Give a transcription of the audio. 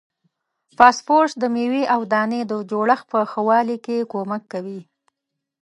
فاسفورس د میوې او دانې د جوړښت په ښه والي کې کومک کوي.